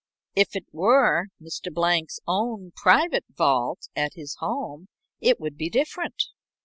"If it were Mr. Blank's own private vault at his home it would be different.